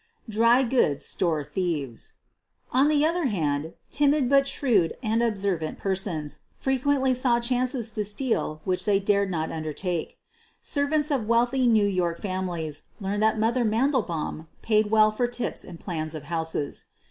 DRY GOODS STORE THIEVES On the other hand, timid but shrewd and observ ant persons frequently saw chances to steal which 196 SOPHIE LYONS they dared not undertake. Servants of wealthy New York families learned that " Mother' ' Mandel baum paid well for tips and plans of houses.